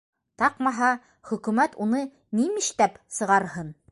Таҡмаһа, хөкөмәт уны нимештәп сығарһын?!